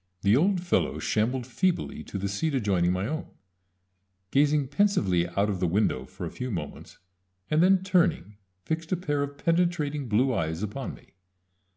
] The old fellow shambled feebly to the seat adjoining my own, gazing pensively out of the window for a few moments, and then turning fixed a pair of penetrating blue eyes upon me.